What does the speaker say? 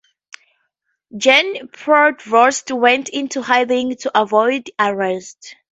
Jean Prouvost went into hiding to avoid arrest.